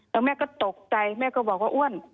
แล้วแม่ก็ตกใจแม่ก็บอกว่าอ้วน